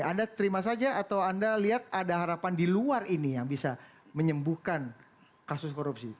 anda terima saja atau anda lihat ada harapan di luar ini yang bisa menyembuhkan kasus korupsi